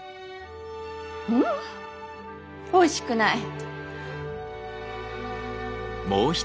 ううんおいしくない。